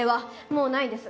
もうないです。